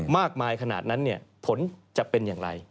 มากมายขนาดนั้นเนี่ยผลจะเป็นอย่างไร